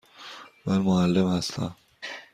من معلم هستم.